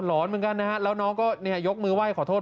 หลอนเหมือนกันนะแล้วน้องก็ยกมือไหว่ขอโทษ